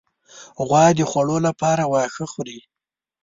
غوا د خوړو لپاره واښه خوري.